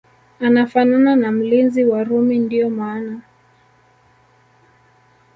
anafanana na mlinzi wa Rumi ndio maana